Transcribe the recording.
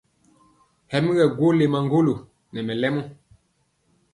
Hɛ mi kɛ gwo le maŋgolo nɛ mɛlɛmɔ.